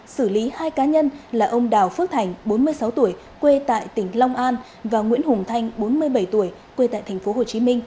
xử lý hai cá nhân là ông đào phước thành bốn mươi sáu tuổi quê tại tỉnh long an và nguyễn hùng thanh bốn mươi bảy tuổi quê tại tp hcm